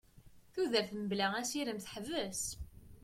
Tudert mebla asirem teḥbes.